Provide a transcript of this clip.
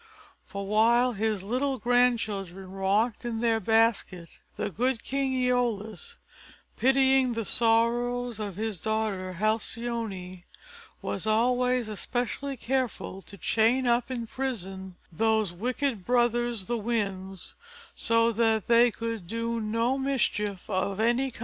For while his little grandchildren rocked in their basket, the good King Æolus, pitying the sorrows of his daughter Halcyone, was always especially careful to chain up in prison those wicked brothers the Winds, so that they could do no mischief of any kind.